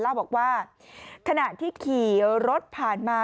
ตอนนี้มันบอกว่าขณะที่ขี่รถผ่านมา